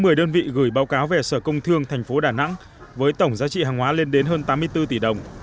có một mươi đơn vị gửi báo cáo về sở công thương tp đà nẵng với tổng giá trị hàng hóa lên đến hơn tám mươi bốn tỷ đồng